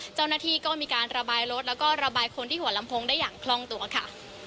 เจ้าหน้าที่ก็มีการระบายรถแล้วก็ระบายคนที่หัวลำโพงได้อย่างคล่องตัวค่ะ